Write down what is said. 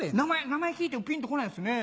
名前聞いてもピンとこないですね